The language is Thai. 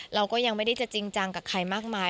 เราก็ยังไม่ได้จะจริงจังกับใครมากมาย